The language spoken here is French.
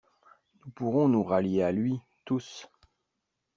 Nous pourrons nous rallier à lui, tous!